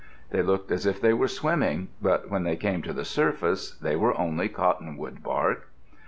They looked as if they were swimming but when they came to the surface, they were only cottonwood bark.